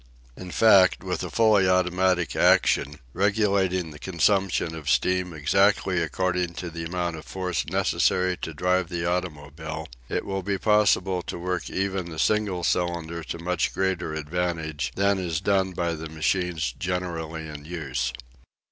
In fact, with a fully automatic action, regulating the consumption of steam exactly according to the amount of force necessary to drive the automobile, it would be possible to work even a single cylinder to much greater advantage than is done by the machines generally in use.